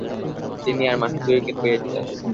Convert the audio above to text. তিনি আর মাত্র দুই উইকেট পেয়েছিলেন।